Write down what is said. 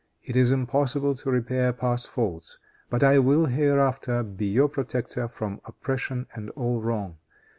It is impossible to repair past faults, but I will hereafter be your protector from oppression and all wrong.